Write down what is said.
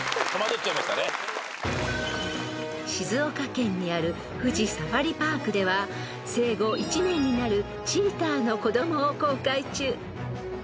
［静岡県にある富士サファリパークでは生後１年になるチーターの子供を公開中］